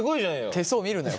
手相見るなよ